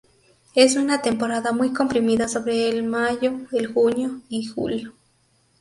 Es una temporada muy comprimida sobre el mayo, el junio y julio.